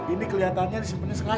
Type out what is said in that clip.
ini keliatannya disimpeni sengaja nih